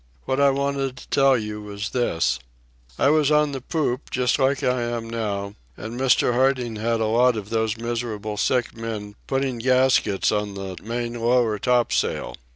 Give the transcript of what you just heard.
What I wanted to tell you was this: "I was on the poop, just like I am now, and Mr. Harding had a lot of those miserable sick men putting gaskets on the main lower topsail.